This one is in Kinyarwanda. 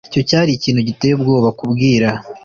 Icyo cyari ikintu giteye ubwoba kubwira .